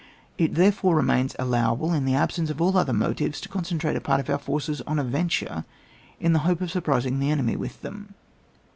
It, therefore, remains allowable, in the absence of all other motives, to concentrate a part of our forces on a venture, in the hope of sur prising the enemy with them.